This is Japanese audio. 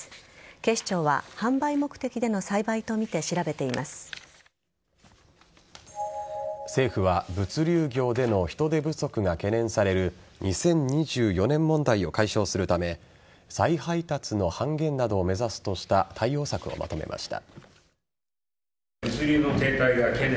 警視庁は販売目的での栽培とみて政府は物流業での人手不足が懸念される２０２４年問題を解消するため再配達の半減などを目指すとした対応策をまとめました。